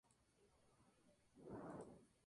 nosotras no bebemos